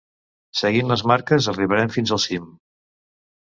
Seguint les marques arribarem fins al cim.